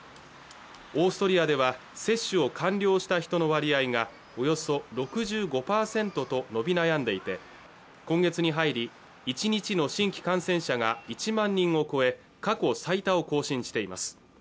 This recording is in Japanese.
オーストリアでは接種を完了した人の割合がおよそ６５％と伸び悩んでいて今月に入り１日の新規感染者が１万人を超え過去最多を更新しています